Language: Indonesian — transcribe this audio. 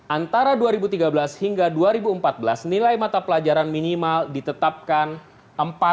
antara dua ribu tiga belas hingga dua ribu empat belas nilai mata pelajaran minimal ditetapkan empat dengan rata rata lima lima